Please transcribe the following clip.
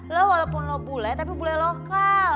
lo walaupun lo bule tapi bule lokal